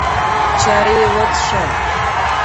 چای وڅښه!